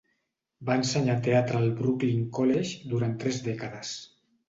Va ensenyar teatre al Brooklyn College durant tres dècades.